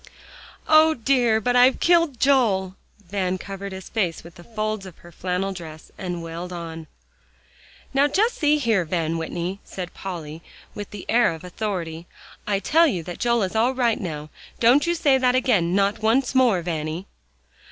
"O dear! but I've killed Joel." Van covered his face with the folds of her flannel dress and wailed on. "Now, just see here, Van Whitney," said Polly, with the air of authority, "I tell you that Joel is all right now. Don't you say that again not once more, Vanny."